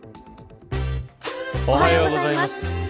おはようございます。